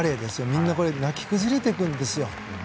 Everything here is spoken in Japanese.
みんな泣き崩れていくんですよ。